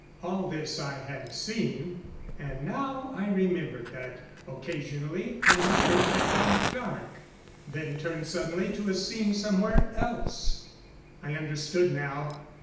All this I had seen. And now I remembered that, occasionally, a mirror had gone dark, and then turned suddenly to a scene somewhere else. I understood now.